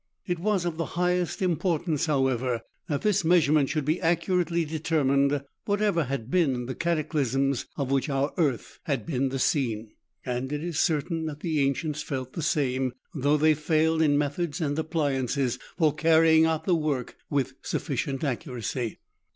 It was of the highest importance, how ever, that this measurement should be accurately deter mined, whatever had been the cataclysms of which our earth had been the scene, and it is certain that the ancients felt the same, though they failed in methods and appliances for carrying out the work with sufficient accuracy.